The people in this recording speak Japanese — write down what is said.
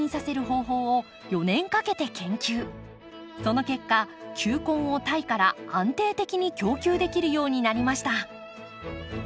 その結果球根をタイから安定的に供給できるようになりました。